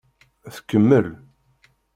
Tkemmel.